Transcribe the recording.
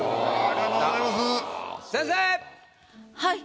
はい。